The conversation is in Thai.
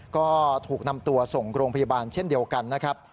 ก็ถูกนำตัวส่งโรงพยาบาลเช่นเดียวกันนะครับ